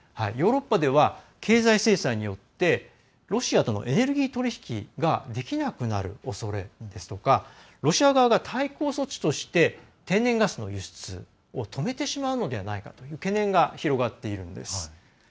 ヨーロッパでは経済制裁によってロシアとのエネルギー取り引きができなくなるおそれですとかロシア側が対抗措置として天然ガスの輸出を止めてしまうのではないかという懸念が広がっているんです。